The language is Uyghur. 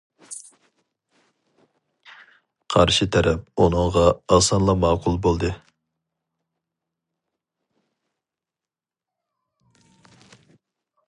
قارشى تەرەپ ئۇنىڭغا ئاسانلا ماقۇل بولدى.